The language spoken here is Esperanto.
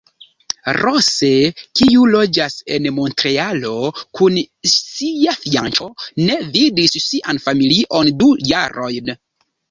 Rose, kiu loĝas en Montrealo kun sia fianĉo, ne vidis sian familion du jarojn.